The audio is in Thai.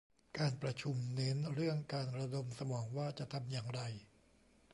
การประชุมเน้นเรื่องการระดมสมองว่าจะทำอย่างไร